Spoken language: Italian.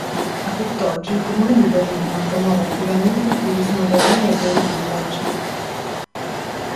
A tutt'oggi il comune di Berlino promuove attivamente il turismo gay nei gay village.